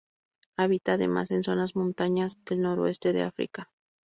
Habita además en zonas montañas del noroeste de África.